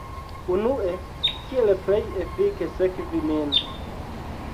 Unue, kiel plej efike sekvi nin